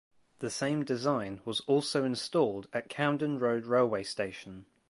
The same design was also installed at Camden Road railway station.